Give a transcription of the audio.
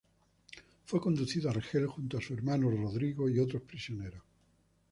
Fue conducido a Argel, junto a su hermano Rodrigo y otros prisioneros.